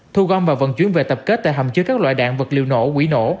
thu gom và vận chuyến về tập kết tại hầm chứa các loại đạn vật liều nổ quỷ nổ